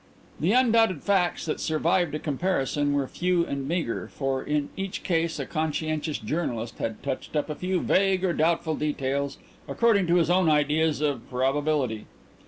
The undoubted facts that survived a comparison were few and meagre, for in each case a conscientious journalist had touched up a few vague or doubtful details according to his own ideas of probability.